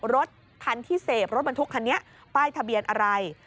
รถคันที่เสพรถบรรทุกคันนี้ป้ายทะเบียนอะไร